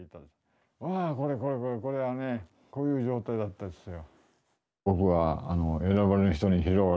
わあこれこれこれこれはねこういう状態だったっすよ。